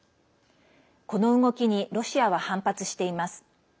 この動きにロシアは反発しています。